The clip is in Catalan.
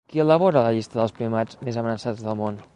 Qui elabora la llista dels primats més amenaçats del món?